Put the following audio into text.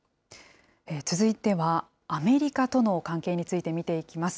続いては、アメリカとの関係について見ていきます。